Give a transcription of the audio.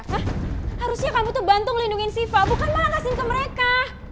harusnya kamu tuh bantu ngelindungi siva bukan malah kasihin ke mereka